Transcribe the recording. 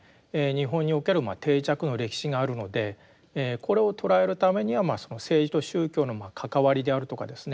日本における定着の歴史があるのでこれを捉えるためには政治と宗教の関わりであるとかですね